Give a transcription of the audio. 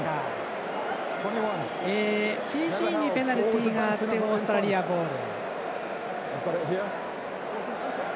フィジーにペナルティがあってオーストラリアボール。